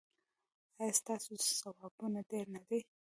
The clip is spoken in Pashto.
ایا ستاسو ثوابونه ډیر نه دي؟